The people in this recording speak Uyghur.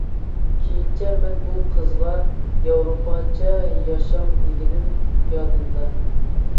كېيىنچە مەن ئۇ قىزغا« ياۋروپاچە ياشاڭ» دېگىنىم يادىمدا.